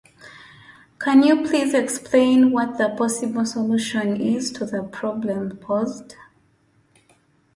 Can you please explain what the possible solution is to the problem posed?